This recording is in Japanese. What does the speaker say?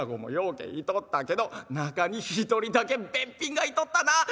うけいとったけど中に一人だけべっぴんがいとったなあ。